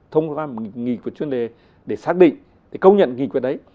thông qua một nghị quyết chuyên đề để xác định công nhận nghị quyết đấy